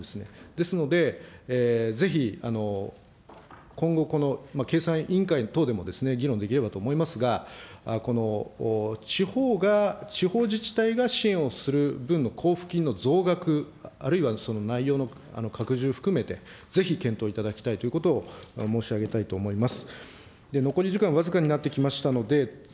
ですので、ぜひ、今後、この経産委員等でもですね、議論できればと思いますが、地方が、地方自治体が支援をする分の交付金の増額、あるいはその内容の拡充含めて、ぜひ検討いただきたいということを申し上げたいと思います。